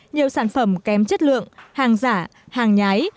nhiều sản phẩm kém chất lượng hàng giả hàng nhái